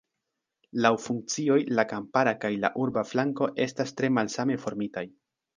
Laŭ funkcioj la kampara kaj la urba flanko estas tre malsame formitaj.